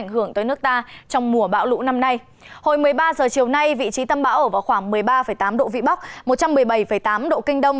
hồi một mươi ba h chiều nay vị trí tâm bão ở vào khoảng một mươi ba tám độ vĩ bắc một trăm một mươi bảy tám độ kinh đông